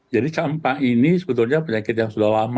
jadi campak ini sebetulnya penyakit yang sudah lama